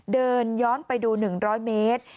เดินย้อนไปดู๑๐๐เมตร